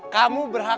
kamu berhak bahagia